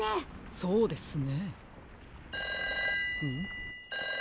そうですね。